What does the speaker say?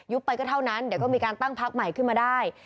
ไปก็เท่านั้นเดี๋ยวก็มีการตั้งพักใหม่ขึ้นมาได้